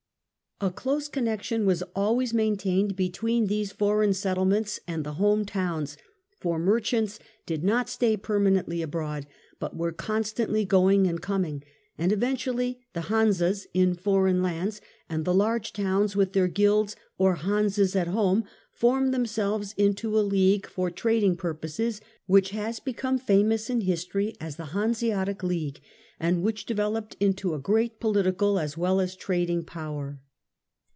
A close connection was always kept up between these THE SHORES OF THE BALTIC 233 foreign settlements and the home towns, for merchants did not stay permanently abroad, but were constantly going and coming : and eventually the Kansas in foreign lands, and the large towns with their guilds or liansas at home formed themselves into a league for trading purposes which has become famous in history as the Hanseatic League, and which developed into a great political as well as a trading power.